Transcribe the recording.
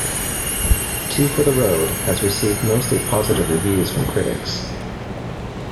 "Two for the Road" has received mostly positive reviews from critics.